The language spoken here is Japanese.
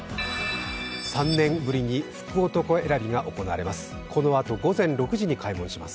３年ぶりに福男選びが行われます。